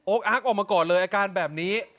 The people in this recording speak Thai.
อาร์กออกมาก่อนเลยอาการแบบนี้